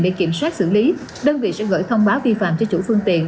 để kiểm soát xử lý đơn vị sẽ gửi thông báo vi phạm cho chủ phương tiện